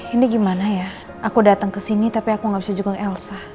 ini gimana ya aku datang ke sini tapi aku gak bisa jengkel elsa